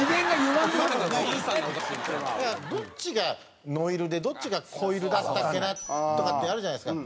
どっちがのいるでどっちがこいるだったっけなとかってあるじゃないですか。